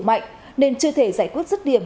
mạnh nên chưa thể giải quyết rất điểm